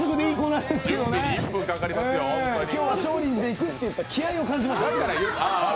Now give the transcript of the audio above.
今日は少林寺でいくっていった気合いを感じました。